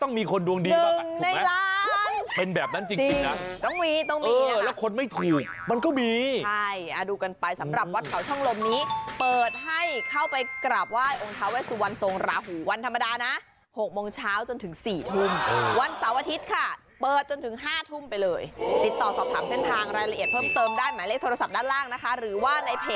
หนึ่งในร้านเป็นแบบนั้นจริงนะจริงต้องมีต้องมีแล้วคนไม่ถูกมันก็มีใช่ดูกันไปสำหรับวัดเขาช่องลมนี้เปิดให้เข้าไปกราบไหว้องค์ท้าเวสวรรษงราหูวันธรรมดานะ๖โมงเช้าจนถึง๔ทุ่มวันเสาร์วันอาทิตย์ค่ะเปิดจนถึง๕ทุ่มไปเลยติดต่อสอบถามเส้นทางรายละเอี